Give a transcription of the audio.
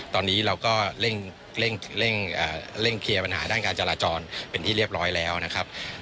ตอนนี้เราก็เร่งเคลียร์ปัญหาด้านการจราจรเป็นที่เรียบร้อยแล้วนะครับ